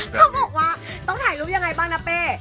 เขาบอกว่าต้องถ่ายรูปยังไงบ้างนะเป้